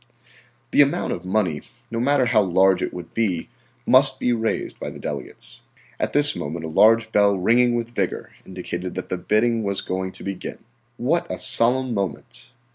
The amount of money, no matter how large it would be, must be raised by the delegates. At this moment a large bell ringing with vigor indicated that the bidding was going to begin. What a solemn moment!